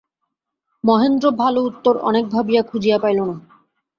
মহেন্দ্র ভালো উত্তর অনেক ভাবিয়া খুঁজিয়া পাইল না।